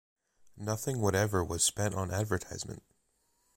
Nothing whatever was spent on advertisement.